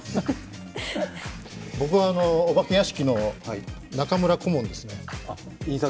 僕は、お化け屋敷の中村顧問ですね。